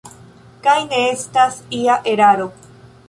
Kaj ne estas ia eraro.